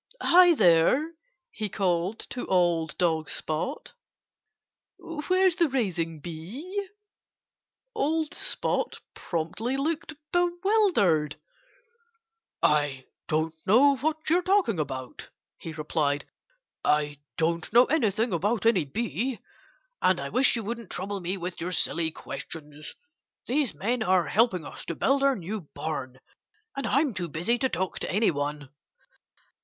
"Hi, there!" he called to old dog Spot. "Where's the raising bee?" Old Spot promptly looked bewildered. "I don't know what you're talking about," he replied. "I don't know anything about any bee. And I wish you wouldn't trouble me with your silly questions. These men are helping us to build our new barn; and I'm too busy to talk to anyone."